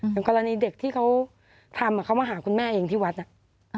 อย่างกรณีเด็กที่เขาทำเขามาหาคุณแม่เองที่วัดอ่ะ